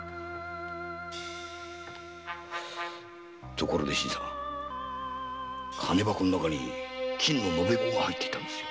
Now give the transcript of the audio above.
ところで新さん。金箱の中に金の延べ棒が入っていたんですよ。